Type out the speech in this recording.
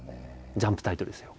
「ジャンプ」タイトルですよ。